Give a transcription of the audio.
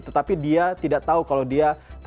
tetapi dia tidak tahu kalau dia